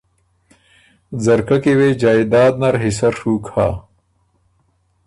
ځرکۀ کی وې جائداد نر حصۀ ڒُوک هۀ